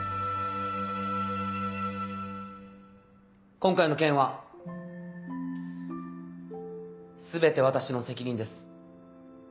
今回の件は全て私の責任です。